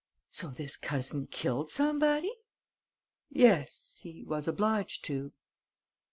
"So this cousin killed somebody?" "Yes, he was obliged to."